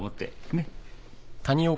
ねっ？